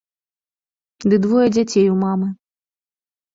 Ды двое дзяцей у мамы!